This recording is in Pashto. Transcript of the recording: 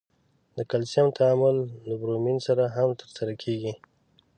د کلسیم تعامل له برومین سره هم ترسره کیږي.